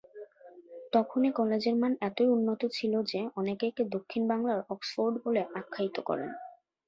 তখন এ কলেজের মান এতই উন্নত ছিল যে অনেকে একে দক্ষিণ বাংলার অক্সফোর্ড বলে আখ্যায়িত করেন।